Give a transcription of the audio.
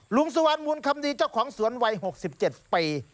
ลุงสุวรรณมูลคำดีเจ้าของสวนวัย๖๗ปี